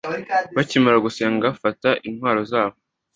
bakimara gusenga bafata intwaro zabo